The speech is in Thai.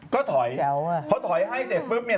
เขาถอยให้เสร็จปุ๊บเนี้ย